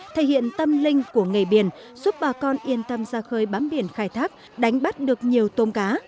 thể hiện tâm linh của nghề biển giúp bà con yên tâm ra khơi bám biển khai thác đánh bắt được nhiều tôm cá